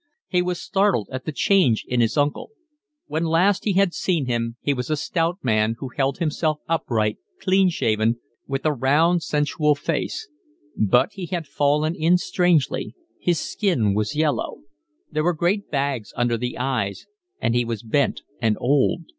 He was startled at the change in his uncle. When last he had seen him he was a stout man, who held himself upright, clean shaven, with a round, sensual face; but he had fallen in strangely, his skin was yellow; there were great bags under the eyes, and he was bent and old.